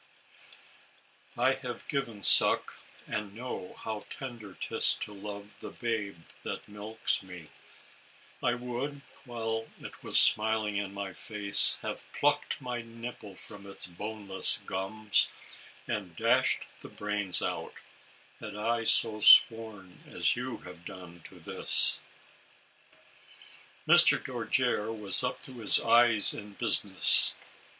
—"" I have given suck, and know How tender 'tis to love the babe that milks me: I would, while it was smiling in my face, Have plucked my nipple from his boneless gums, And dashed the brains out, had I so sworn as you Have done to this." Mr. Dojere was up to his eyes in business.